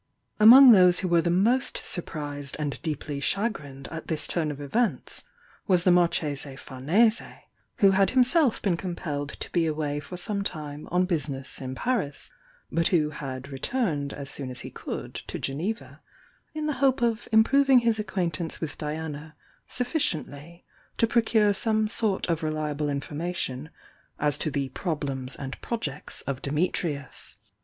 Among those who were the most surprised and deep ly chagruied at this turn of events was the Marchese Farnese, who had himself been compelled to be away for some time on business in Paris, but who had returned as soon as he could to Geneva in the hope of improving his acquaintance with Diana sufficient ly to procure some sort of reliable information as to the problems and projects of Dimitrius.